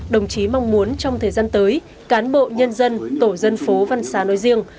đồng chí mong muốn trong thời gian tới cán bộ nhân dân tổ dân phố văn xá nói riêng